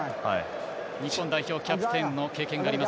日本代表のキャプテンのご経験があります